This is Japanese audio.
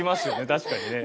確かにね。